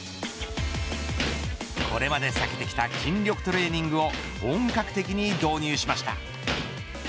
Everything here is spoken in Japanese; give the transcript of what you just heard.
これまで避けてきた筋力トレーニングを本格的に導入しました。